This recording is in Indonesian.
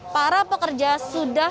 para pekerja sudah